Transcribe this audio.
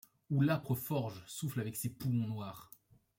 Où l'âpre forge, souffle avec ses poumons noirs